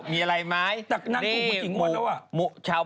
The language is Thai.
มีอะไรไหม